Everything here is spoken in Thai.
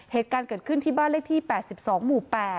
เหตุการณ์เกิดขึ้นที่บ้านเลขที่๘๒หมู่๘